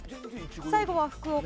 最後は福岡。